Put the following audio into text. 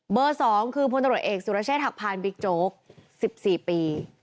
เบอร์สองคือพลตำรวจเอกสุรเชษฐ์ถักพานบิ๊กโจ๊กสิบสี่ปี